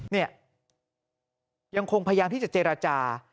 เนี่ยยังคงพยายามที่จะเจรจา